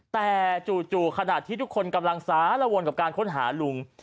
แต่จู่ขณะที่ทุกคนกำลังสารวนกับการค้นหาลุง